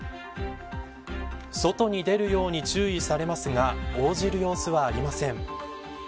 外に出るように注意されますが応じる様子はありません。